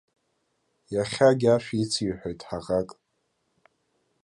Иахьагь ашәа ициҳәоит ҳаӷак.